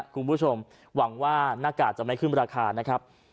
คุณผู้ชมหวังว่าหน้ากากจะไม่ขึ้นราคานะครับ